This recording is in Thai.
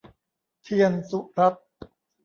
เธียรสุรัตน์